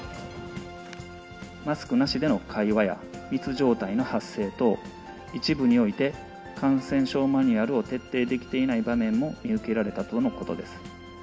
マスクなしでの会話や、密状態の発生等、一部において、感染症マニュアルを徹底できていない場面も見受けられたとのことです。